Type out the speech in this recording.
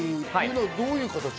どういう形？